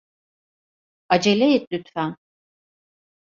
Acele et lütfen.